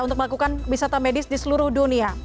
untuk melakukan wisata medis di seluruh dunia